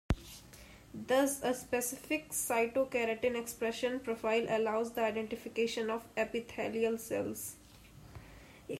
Thus a specific cytokeratin expression profile allows the identification of epithelial cells.